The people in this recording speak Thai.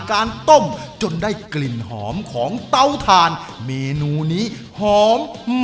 ไข่แม่งดาครับผม